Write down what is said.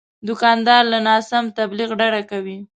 دوکاندار له ناسم تبلیغ ډډه کوي.